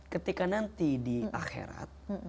ketika nanti di akhirat